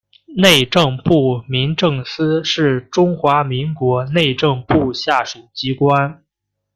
内政部民政司是中华民国内政部下属机关。